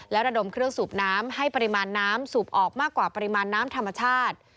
และระดมเครื่องสูบน้ำให้ปริมาณน้ำสูบออกมากว่าปริมาณน้ำธรรมชาติ